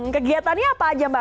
kegiatannya apa aja mbak